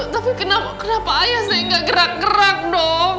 tapi kenapa ayah saya gak gerak gerak dong